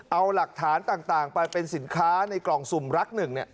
เอาหลักฐานต่างไปเป็นสินค้าในกล่องสุ่มรักหนึ่ง